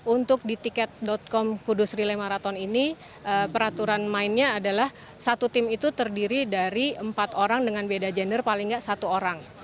untuk di tiket com kudus relay marathon ini peraturan mainnya adalah satu tim itu terdiri dari empat orang dengan beda gender paling nggak satu orang